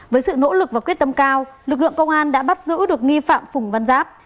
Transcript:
với sự nỗ lực và quyết tâm cao lực lượng công an đã bắt giữ được nghi phạm phùng văn giáp